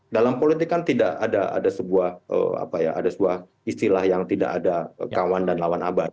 dalam politik kan tidak ada sebuah istilah yang tidak ada kawan dan lawan abad